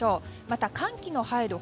また寒気の入る